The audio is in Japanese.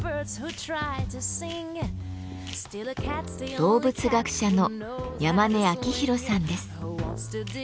動物学者の山根明弘さんです。